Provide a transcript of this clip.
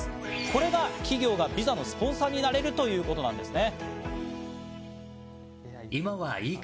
これが企業がビザのスポンサーになれるということなんですね。